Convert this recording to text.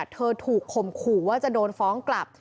เธอถูกข่มขู่ว่าจะโดนฟ้องกลับ